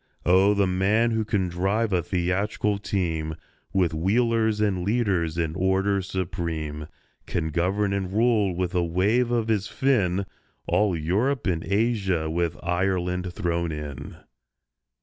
Oh, the man who can drive a theatrical team, With wheelers and leaders in order supreme, Can govern and rule, with a wave of his fin, All Europe and Asia—with Ireland thrown in!